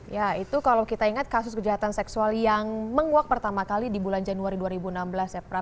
ya itu kalau kita ingat kasus kejahatan seksual yang menguak pertama kali di bulan januari dua ribu enam belas ya